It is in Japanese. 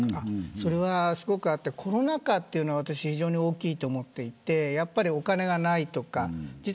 それは、すごくあってコロナ禍というのは非常に大きいと思っていてお金がないとか。